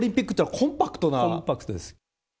コンパクトです。